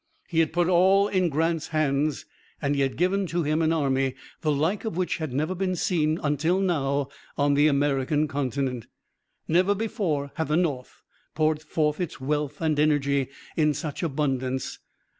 He had put all in Grant's hands and he had given to him an army, the like of which had never been seen until now on the American continent. Never before had the North poured forth its wealth and energy in such abundance.